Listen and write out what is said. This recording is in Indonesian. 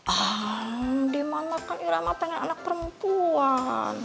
ah di mana kan irah mah pengen anak perempuan